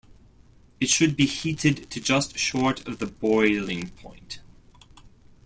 It should be heated to just short of the boiling point.